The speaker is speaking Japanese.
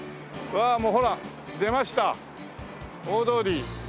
わあもうほら出ました大通り。